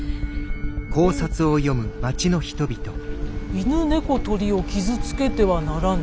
犬猫鶏を傷つけてはならぬ。